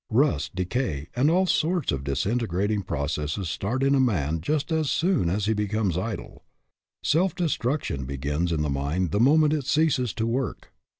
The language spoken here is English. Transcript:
Rust, decay, and all sorts of disintegrating processes start in a man just as soon as he becomes idle. Self destruction begins in the mind the moment it ceases to work.